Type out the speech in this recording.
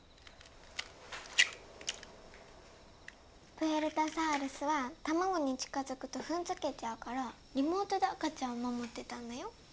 プエルタサウルスは卵に近づくと踏んづけちゃうからリモートで赤ちゃんを守ってたんだよ。